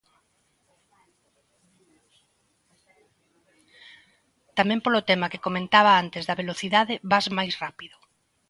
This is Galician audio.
Tamén polo tema que comentaba antes da velocidade, vas máis rápido.